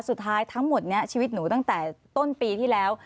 ทั้งหมดนี้ชีวิตหนูตั้งแต่ต้นปีที่แล้ว